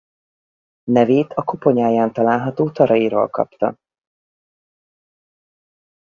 Nevét a koponyáján található taréjról kapta.